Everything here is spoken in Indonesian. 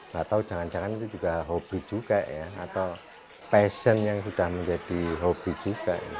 gak tau jangan jangan itu juga hobi juga ya atau passion yang sudah menjadi hobi juga